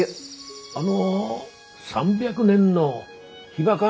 あの３００年のヒバが？